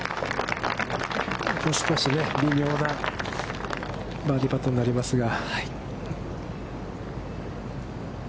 少し微妙なバーディーパットになりますが。